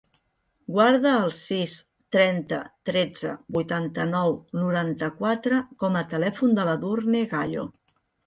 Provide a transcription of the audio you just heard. Guarda el sis, trenta, tretze, vuitanta-nou, noranta-quatre com a telèfon de l'Edurne Gallo.